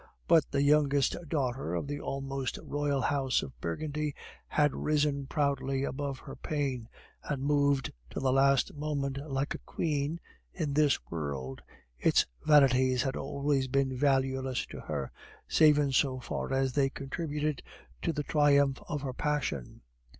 But the youngest daughter of the almost royal house of Burgundy had risen proudly above her pain, and moved till the last moment like a queen in this world its vanities had always been valueless for her, save in so far as they contributed to the triumph of her passion.